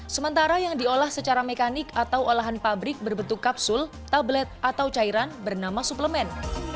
sementara yang diolah secara mekanik atau olahan pabrik berbentuk kapsul tablet atau cairan bernama suplemen